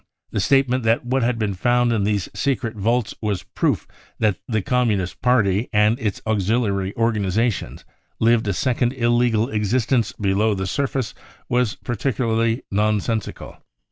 The statement that what had been found in these secret vaults was proof c that the Communist Party # and its auxiliary organisations lived a second illegal existence below the surface 9 was particularly nonsensical.